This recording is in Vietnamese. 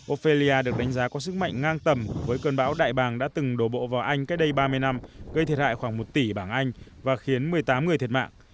opelia được đánh giá có sức mạnh ngang tầm với cơn bão đại bàng đã từng đổ bộ vào anh cách đây ba mươi năm gây thiệt hại khoảng một tỷ bảng anh và khiến một mươi tám người thiệt mạng